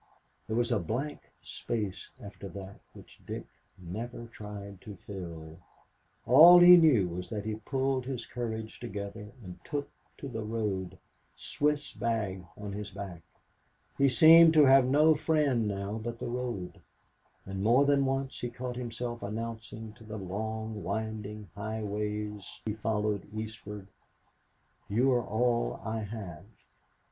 There was a blank space after that which Dick never tried to fill. All he knew was that he pulled his courage together and took to the road, Swiss bag on his back. He seemed to have no friend now but the road, and more than once he caught himself announcing to the long winding highways he followed eastward, "You're all I have."